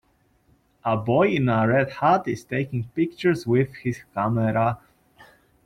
A boy in a red hat is taking pictures with his camera.